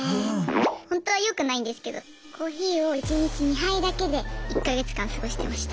ほんとはよくないんですけどコーヒーを１日２杯だけで１か月間過ごしてました。